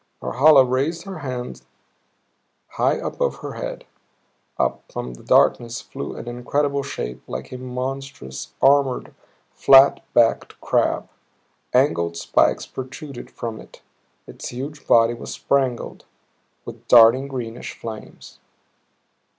Norhala raised her hands high above her head. Up from the darkness flew an incredible shape like a monstrous, armored flat backed crab; angled spikes protruded from it; its huge body was spangled with darting, greenish flames.